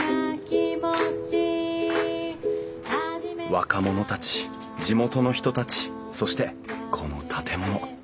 若者たち地元の人たちそしてこの建物。